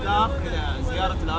untuk menikmati kota yang berkualitas